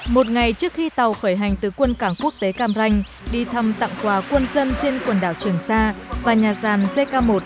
một ngày trước khi tàu khởi hành từ quân cảng quốc tế cam ranh đi thăm tặng quà quân dân trên quần đảo trường sa và nhà gian jk một